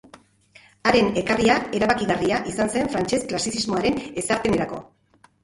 Haren ekarria erabakigarria izan zen frantses klasizismoaren ezarpenerako.